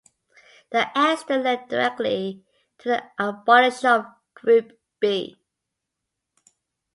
The accident led directly to the abolition of Group B.